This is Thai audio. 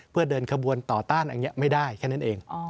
เพื่อเดินขบวนต่อต้านอันนี้ไม่ได้แค่นั้นเอง